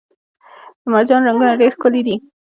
د مرجان رنګونه ډیر ښکلي دي